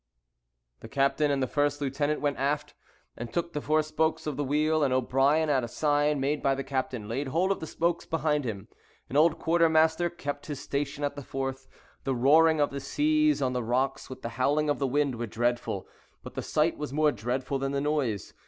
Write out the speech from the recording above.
The captain and first lieutenant went aft, and took the fore spokes of the wheel, and O'Brien, at a sign made by the captain, laid hold of the spokes behind him. An old quartermaster kept his station at the fourth. The roaring of the seas on the rocks, with the howling of the wind, were dreadful; but the sight was more dreadful than the noise.